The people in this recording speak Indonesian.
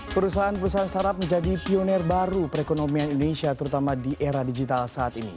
perusahaan perusahaan startup menjadi pioner baru perekonomian indonesia terutama di era digital saat ini